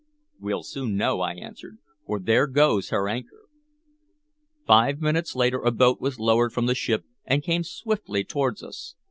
"We'll soon know," I answered, "for there goes her anchor." Five minutes later a boat was lowered from the ship, and came swiftly toward us.